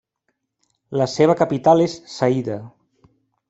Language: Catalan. La seva capital és Saïda.